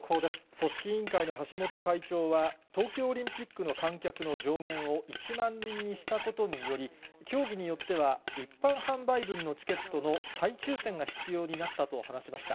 組織委員会の橋本会長は、東京オリンピックの観客の上限を１万人にしたことにより、競技によっては一般販売分のチケットの再抽せんが必要になったと話しました。